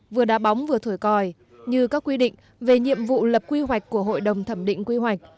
vừa đá bóng vừa thổi còi như các quy định về nhiệm vụ lập quy hoạch của hội đồng thẩm định quy hoạch